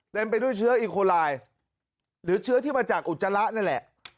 ไปด้วยเชื้ออีโคลายหรือเชื้อที่มาจากอุจจาระนั่นแหละ